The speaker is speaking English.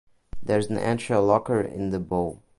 There is an anchor locker in the bow.